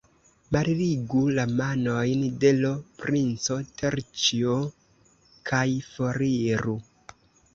Malligu la manojn de l' princo, Terĉjo, kaj foriru!